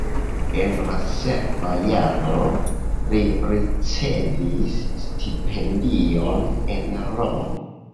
En la sekva jaro li ricevis stipendion en Romo.